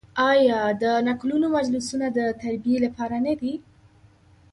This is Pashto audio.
آیا د نکلونو مجلسونه د تربیې لپاره نه دي؟